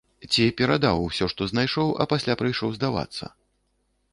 Ці перадаў усё, што знайшоў, а пасля прыйшоў здавацца?